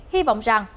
hy vọng rằng